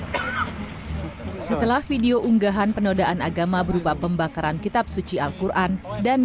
hai setelah video unggahan penodaan agama berupa pembakaran kitab suci alquran dan